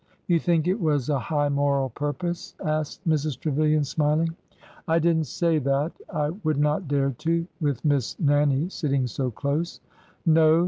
" You think it was a high moral purpose? " asked Mrs. Trevilian, smiling. V I did n't say that. I would not dare to, with Miss Nannie sitting so close." No